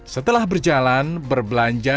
setelah berjalan berbelanja